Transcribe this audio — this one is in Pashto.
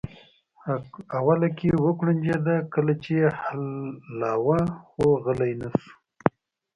اوله کې وکوړنجېده کله چې یې حلالاوه خو غلی نه شو.